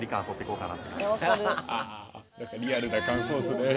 リアルな感想っすね。